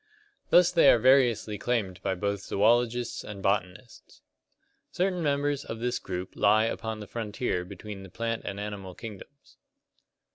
Thus they are variously claimed by both zoologists and botanists. Certain members of this group lie upon the frontier between the plant and animal kingdoms.